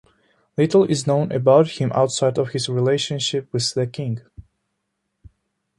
Little is known about him outside of his relationship with the king.